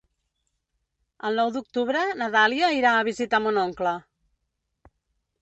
El nou d'octubre na Dàlia irà a visitar mon oncle.